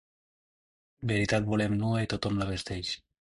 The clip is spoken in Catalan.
Veritat volem nua i tothom la vesteix.